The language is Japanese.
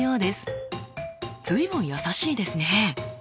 随分優しいですね。